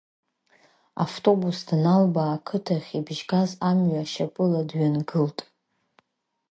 Автобус данлалбаа, ақыҭахь ибжьгаз амҩа шьапыла дҩангылт.